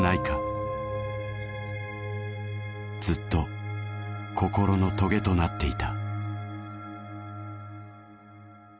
ずっと心のトゲとなっていた。